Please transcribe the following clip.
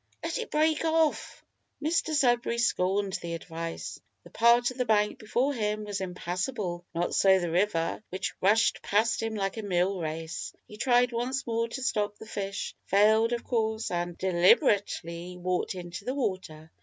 let it break off!" Mr Sudberry scorned the advice. The part of the bank before him was impassable; not so the river, which rushed past him like a mill race. He tried once more to stop the fish; failed, of course, and deliberately walked into the water.